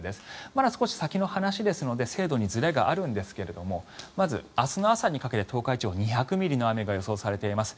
まだ少し先の話ですので精度にずれがあるんですがまず明日の朝にかけて東海地方２００ミリの雨が予想されています。